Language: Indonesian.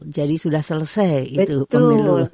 jadi sudah selesai itu pemilu